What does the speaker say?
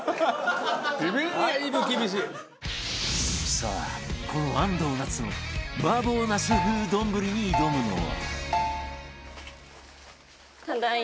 さあこの安藤なつの麻婆ナス風丼に挑むのは